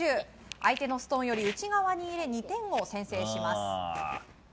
相手のストーンより内側に入れ２点を先制します。